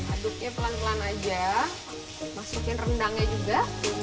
aduknya pelan pelan aja masukin rendangnya juga